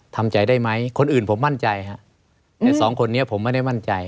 ทำใจได้ไหมคนอื่นผมมั่นใจฮะแต่สองคนนี้ผมไม่ได้มั่นใจ